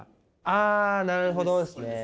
あなるほどですね。